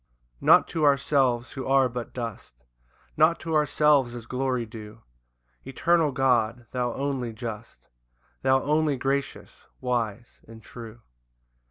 1 Not to ourselves, who are but dust, Not to ourselves is glory due, Eternal God, thou only just, Thou only gracious, wise, and true.